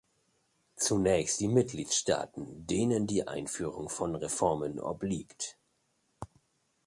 Zunächst die Mitgliedstaaten, denen die Einführung von Reformen obliegt.